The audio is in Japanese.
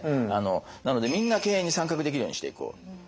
なのでみんな経営に参画できるようにしていこう。